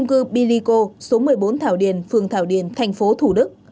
cư bilico số một mươi bốn thảo điền phường thảo điền tp thủ đức